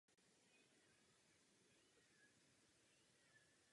Učení Církve sjednocení je uvedeno v knize "Boží Princip".